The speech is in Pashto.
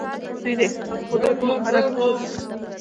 دوی د احساساتو ښودلو کې مهارت درلود